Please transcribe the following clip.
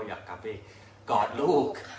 อยากกลับไปกอดลูก